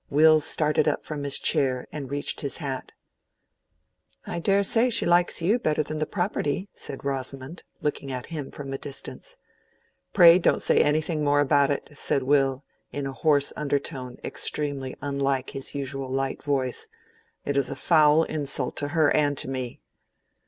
Will started up from his chair and reached his hat. "I dare say she likes you better than the property," said Rosamond, looking at him from a distance. "Pray don't say any more about it," said Will, in a hoarse undertone extremely unlike his usual light voice. "It is a foul insult to her and to me."